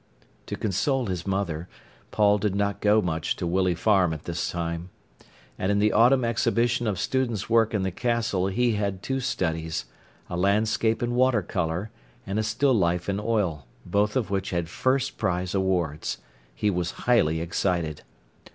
To console his mother, Paul did not go much to Willey Farm at this time. And in the autumn exhibition of students' work in the Castle he had two studies, a landscape in water colour and a still life in oil, both of which had first prize awards. He was highly excited.